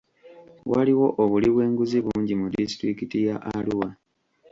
Waliwo obuli bw'enguzi bungi mu disitulikiti ya Arua.